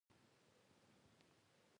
مسېنجر د چټک پیغام رسولو ټکنالوژي لري.